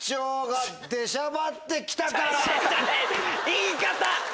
言い方！